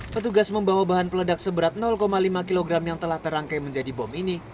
petugas membawa bahan peledak seberat lima kg yang telah terangkai menjadi bom ini